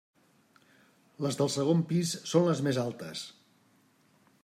Les del segon pis són les més altes.